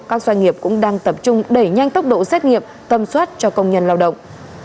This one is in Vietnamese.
các doanh nghiệp cũng đang tập trung đẩy nhanh tốc độ xét nghiệm tâm soát cho công nhân lao động